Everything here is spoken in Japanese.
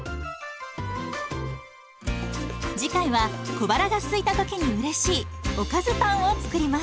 次回は小腹がすいた時にうれしいおかずパンを作ります。